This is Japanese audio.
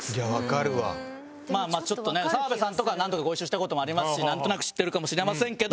ちょっとね澤部さんとか何度かご一緒した事もありますしなんとなく知ってるかもしれませんけど。